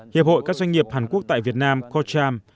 hiệp hội các doanh nghiệp hàn quốc tại việt nam cocham